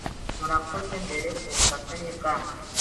Murakoze mbere kubufatanye bwanyu.